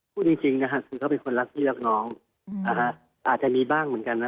พูดจริงนะฮะคือเขาเป็นคนรักพี่รักน้องอาจจะมีบ้างเหมือนกันนะ